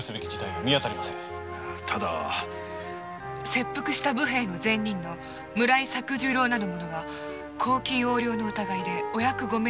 切腹した武兵衛の前任の村井作十郎なる者が公金横領の疑いでお役御免になっておりまする。